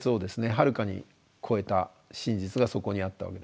はるかに超えた真実がそこにあったわけです。